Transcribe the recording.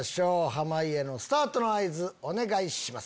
濱家のスタートの合図お願いします。